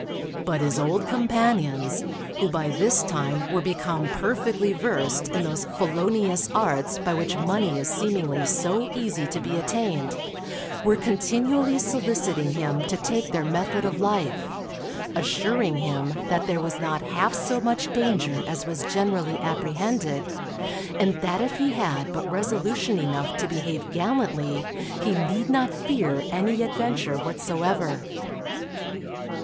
But his old companions, who by this time were become perfectly versed in those felonious arts by which money is seemingly so easy to be attained, were continually soliciting him to take their method of life, assuring him that there was not half so much danger as was generally apprehended, and that if he had but resolution enough to behave gallantly, he need not fear any adventure whatsoever.